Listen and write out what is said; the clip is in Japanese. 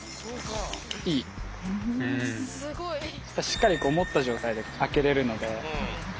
しっかり持った状態であけれるので。